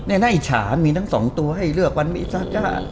นายอิจฉามีทั้งสองตัวให้เลือกวันมีซาก้า